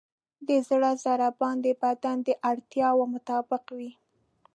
د زړه ضربان د بدن د اړتیاوو مطابق وي.